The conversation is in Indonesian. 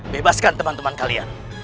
bebaskan teman teman kalian